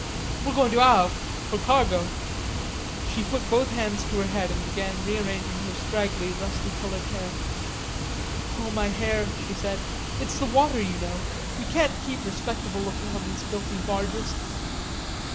"We're going to Havre for cargo." She put both hands to her head and began rearranging her straggling rusty colored hair. "Oh, my hair," she said, "it's the water, you know. You can't keep respectable looking on these filthy barges.